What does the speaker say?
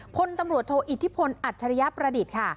พตโตอิทธิพนฮ์อัจฉริยประดิษฐ์ค่ะ